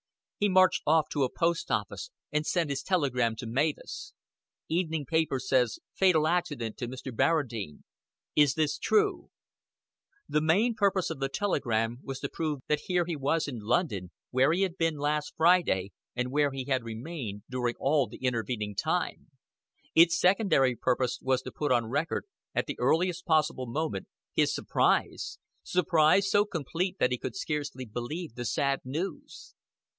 He marched off to a post office, and sent his telegram to Mavis: "Evening paper says fatal accident to Mr. Barradine. Is this true?" The main purpose of the telegram was to prove that here he was in London, where he had been last Friday, and where he had remained during all the intervening time; its secondary purpose was to put on record at the earliest possible moment his surprise surprise so complete that he could scarcely believe the sad news.